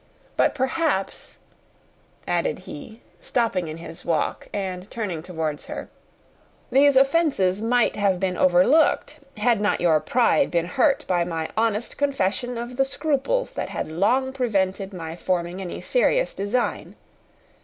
But, perhaps," added he, stopping in his walk, and turning towards her, "these offences might have been overlooked, had not your pride been hurt by my honest confession of the scruples that had long prevented my forming any serious design.